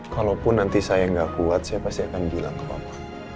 kalaupun nanti saya gak kuat saya pasti akan bilang ke papa